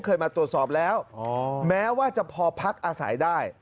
เคยมาตรวจสอบแล้วแม้ว่าจะพอพักอาศัยได้